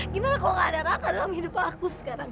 gimana kalau gak ada raka dalam hidup aku sekarang